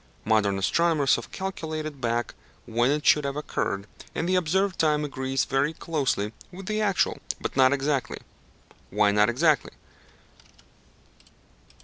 Modern astronomers have calculated back when it should have occurred, and the observed time agrees very closely with the actual, but not exactly. Why not exactly?